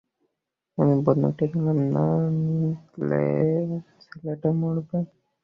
আমি বন্দুক টা নিলাম, না দিলে ছেলেটা মরবে।